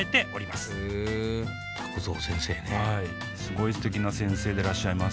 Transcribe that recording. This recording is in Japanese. すごいすてきな先生でいらっしゃいます